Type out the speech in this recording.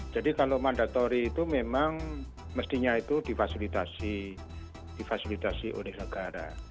jadi kalau mandatori itu memang mestinya itu difasilitasi oleh negara